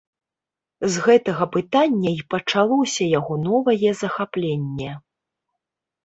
З гэтага пытання і пачалося яго новае захапленне.